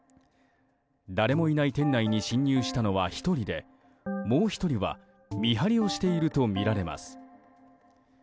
誰もいない店内に侵入したのは１人でもう１人は見張りをしているとみられます。